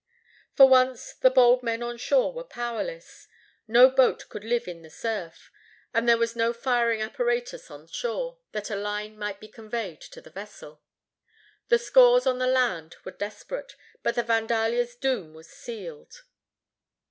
For once the bold men on shore were powerless. No boat could live in the surf, and there was no firing apparatus on shore, that a line might be conveyed to the vessel. The scores on the land were desperate, but the Vandalia's doom was sealed.